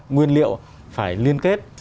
nguyên liệu phải liên kết